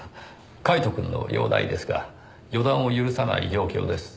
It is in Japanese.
カイトくんの容態ですが予断を許さない状況です。